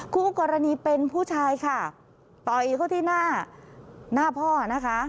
คู่กรณีเป็นผู้ชายค่ะต่อยเขาที่หน้าหน้าพ่อนะคะ